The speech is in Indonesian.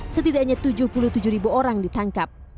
setidaknya tujuh puluh tujuh ribu orang ditangkap